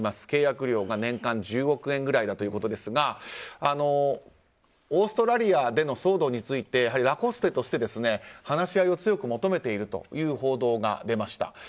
契約料が年間１０億円ということですがオーストラリアでの騒動についてやはりラコステとして話し合いを強く求めているという報道が出ました。